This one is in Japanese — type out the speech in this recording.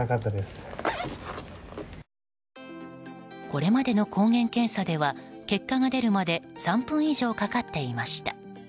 これまでの抗原検査では結果が出るまで３分以上かかっていました。